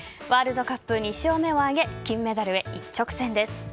ワールドカップ２勝目を挙げ金メダルへ一直線です。